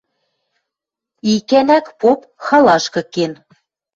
Икӓнӓк поп халашкы кен.